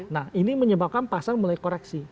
nah ini menyebabkan pasar mulai koreksi